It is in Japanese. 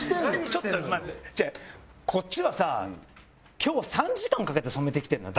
違うこっちはさ今日３時間かけて染めてきてんのよ？